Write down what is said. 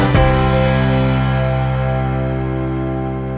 โปรดติดตามตอนต่อไป